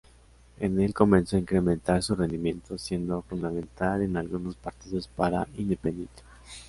En el comenzó a incrementar su rendimiento, siendo fundamental en algunos partidos para Independiente.